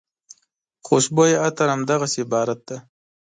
خوشبویه عطر همدغسې عبارت دی.